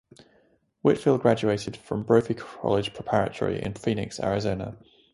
Whitfield graduated from Brophy College Preparatory in Phoenix, Arizona.